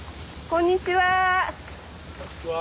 こんにちは。